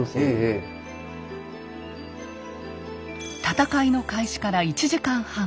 戦いの開始から１時間半。